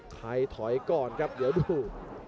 ถอยก่อนครับเดี๋ยวดู